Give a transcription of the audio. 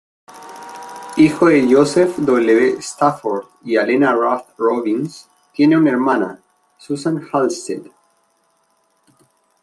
Hijo de Joseph W. Stafford y Alena Ruth Robbins, tiene una hermana, Susan Halstead.